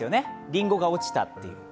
りんごが落ちたっていう。